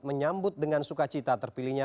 menyambut dengan sukacita terpilihnya